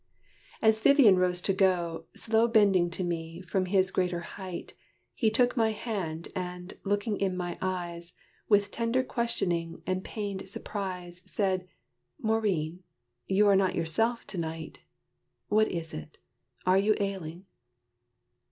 As Vivian rose to go, Slow bending to me, from his greater height, He took my hand, and, looking in my eyes, With tender questioning and pained surprise, Said, "Maurine, you are not yourself to night! What is it? Are you ailing?"